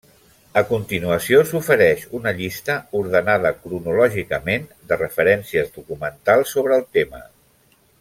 A continuació s’ofereix una llista, ordenada cronològicament, de referències documentals sobre el tema.